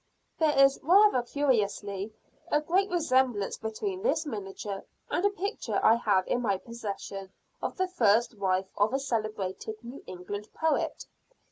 There is rather curiously a great resemblance between this miniature, and a picture I have in my possession of the first wife of a celebrated New England poet.